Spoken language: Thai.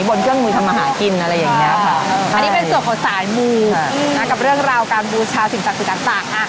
บนเครื่องมือทำมาหากินอะไรอย่างนี้ค่ะอันนี้เป็นส่วนของสายมูกับเรื่องราวการบูชาสิ่งศักดิ์สิทธิ์ต่าง